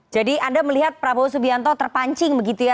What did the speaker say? jadi anda melihat prabowo subianto terpancing begitu ya